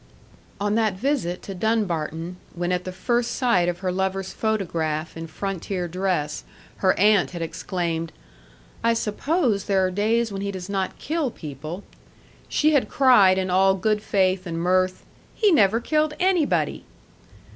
On that visit to Dunbarton, when at the first sight of her lover's photograph in frontier dress her aunt had exclaimed, "I suppose there are days when he does not kill people," she had cried in all good faith and mirth, "He never killed anybody!"